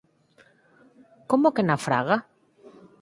Como que na fraga?